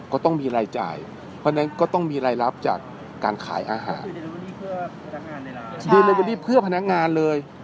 ก็ต้องมีรายจ่ายเพราะฉะนั้นก็ต้องมีรายรับจากการขายอาหารเพื่อเลเวอรี่เพื่อพนักงานเลย